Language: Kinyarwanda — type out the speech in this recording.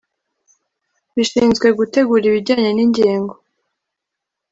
bishinzwe gutegura ibijyanye n Ingengo